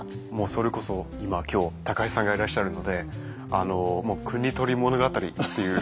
それこそ今今日高橋さんがいらっしゃるので「国盗り物語」っていう。